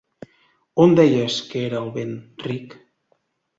On deies que era el vent, Rick?